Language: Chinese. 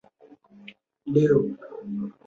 再外面有什么